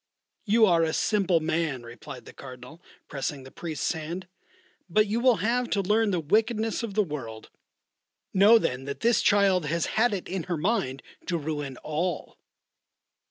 "You are a simple man," replied the Cardinal, pressing the Priest's hand; "but you will have to learn the wickedness of the world. Know then that this child has had it in her mind to ruin all."